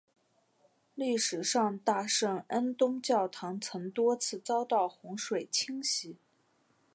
历史上大圣安东教堂曾多次遭到洪水侵袭。